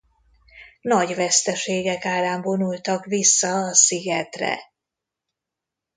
Nagy veszteségek árán vonultak vissza a szigetre.